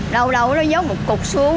đâu đâu nó dốc một cụt xuống